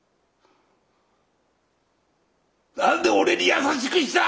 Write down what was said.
何で俺に優しくした！？